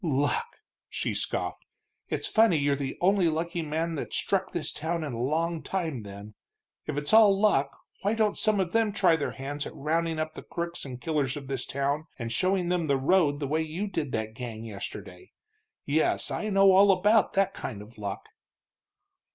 "Luck!" she scoffed. "It's funny you're the only lucky man that's struck this town in a long time, then. If it's all luck, why don't some of them try their hands at rounding up the crooks and killers of this town and showing them the road the way you did that gang yesterday? Yes, I know all about that kind of luck."